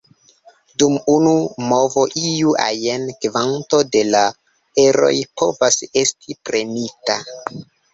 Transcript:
Dum unu movo iu ajn kvanto de la eroj povas esti prenita.